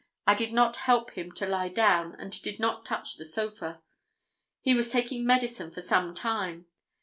I did not help him to lie down and did not touch the sofa. He was taking medicine for some time.